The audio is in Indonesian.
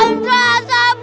aduh adek adek